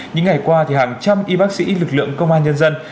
những ngày qua hàng trăm y bác sĩ lực lượng công an nhân dân